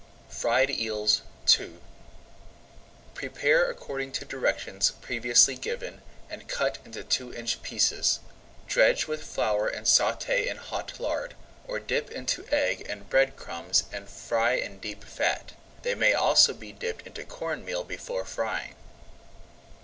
FRIED EELS II Prepare according to directions previously given and cut into two inch pieces. Dredge with flour and sauté in hot lard, or dip into egg and bread crumbs and fry in deep fat. They may also be dipped into corn meal before frying.